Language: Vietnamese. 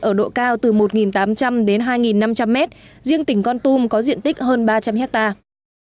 ở độ cao từ một tám trăm linh đến hai năm trăm linh mét riêng tỉnh con tum có diện tích hơn ba trăm linh hectare